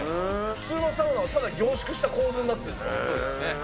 普通のサウナをただ凝縮した構造になってるんですね。